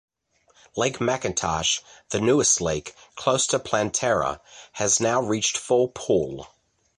Lake McIntosh, the newest lake, close to Planterra, has now reached full pool.